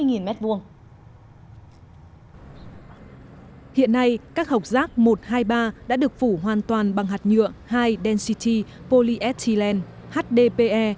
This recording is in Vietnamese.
hiện nay các hộp rác một hai ba đã được phủ hoàn toàn bằng hạt nhựa high density polyethylene hdpe